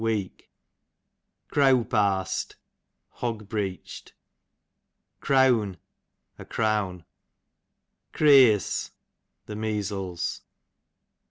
weak. Creawp ars'd, hog breech'd. Creawn, a crown. Creeas, the measles.